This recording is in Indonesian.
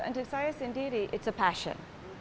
untuk saya sendiri it's a passion